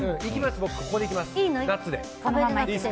僕ここでいきます。